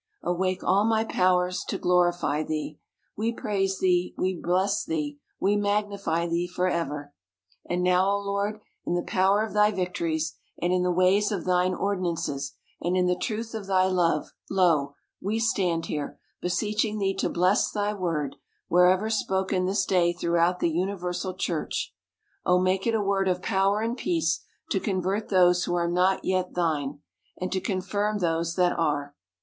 awake all my powers to glorify thee ! We praise thee, we bless thee, we magnify thee for ever. And now, Lord ! in the power of thy victories, and in the ways of thine ordinances, and in the truth of thy love, lo ! we stand here ; beseeching thee to bless thy word, wherever spoken this day throughout the universal church. Oh, make it a word of power and peace, to convert those who are not yet thine, and to confirm those that are.